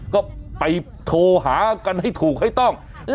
ก็ไปโทรหากันให้ถูกให้ต้อง